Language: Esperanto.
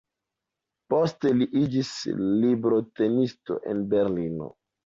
Poste li iĝis librotenisto en Berlino.